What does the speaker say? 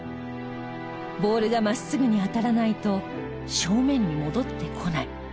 ボールが真っすぐに当たらないと正面に戻ってこない。